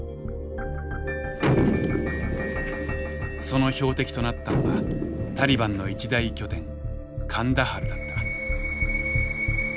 その標的となったのがタリバンの一大拠点カンダハルだった。